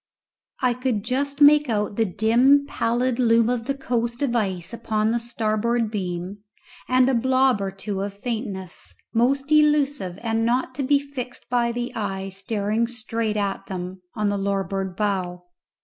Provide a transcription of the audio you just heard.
I could just make out the dim pallid loom of the coast of ice upon the starboard beam, and a blob or two of faintness most elusive and not to be fixed by the eye staring straight at them on the larboard bow.